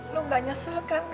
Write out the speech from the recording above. bukan yang itu